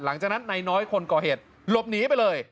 หลังจากนั้นนายน้อยคนก่อเหตุหลบหนีไปเลย